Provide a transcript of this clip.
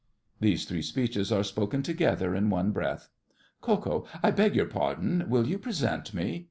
(These three speeches are spoken together in one breath.) KO. I beg your pardon. Will you present me?